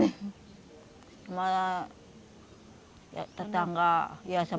sama tetangga ya sama teman